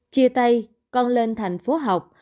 chia tay con lên thành phố học